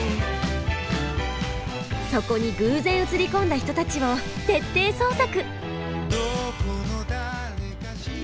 そこに偶然映り込んだ人たちを徹底捜索！